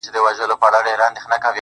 تا ويل پاتېږمه، خو ته راسره ښه پاته سوې